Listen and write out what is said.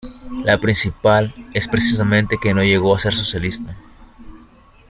La principal es precisamente que no llegó a ser socialista.